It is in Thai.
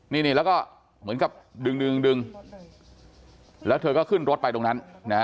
นี่แล้วก็เหมือนกับดึงดึงแล้วเธอก็ขึ้นรถไปตรงนั้นนะฮะ